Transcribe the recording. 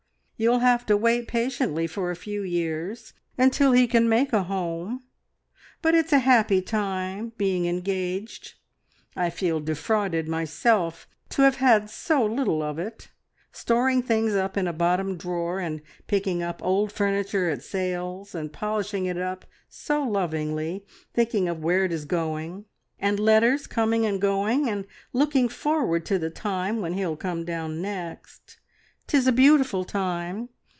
You'll have to wait patiently, for a few years, until he can make a home, but it's a happy time, being engaged. I feel defrauded myself to have had so little of it. Storing up things in a bottom drawer, and picking up old furniture at sales, and polishing it up so lovingly, thinking of where it is going, and letters coming and going, and looking forward to the time when he'll come down next 'tis a beautiful time.